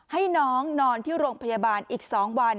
ให้น้องนอนที่โรงพยาบาลอีก๒วัน